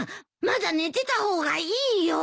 まだ寝てた方がいいよ。